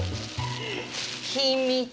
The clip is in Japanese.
ひみつ。